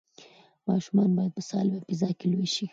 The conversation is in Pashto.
ماشومان باید په سالمه فضا کې لوی شي.